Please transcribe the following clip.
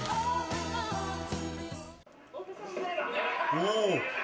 おお。